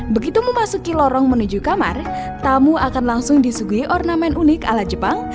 begitu memasuki lorong menuju kamar tamu akan langsung disuguhi ornamen unik ala jepang